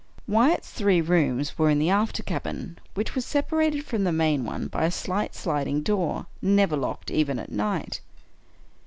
Wyatt's three rooms were in the after cabin, which was separated from the main one by a slight sliding door, never locked even at night.